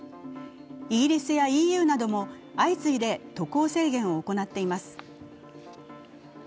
イギリスやＥＵなども相次いで渡航制限を行っています。